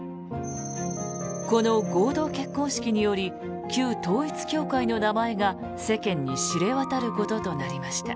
この合同結婚式により旧統一教会の名前が世間に知れ渡ることとなりました。